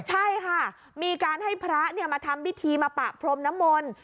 ใช่ค่ะมีการให้พระมาทำพิธีมาปะพรมน้ำมนต์